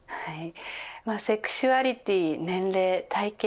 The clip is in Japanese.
セクシュアリティ、年齢、体形